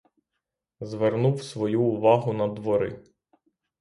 Звернув свою увагу на двори.